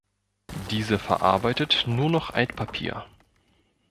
Diese verarbeitet nur noch Altpapier.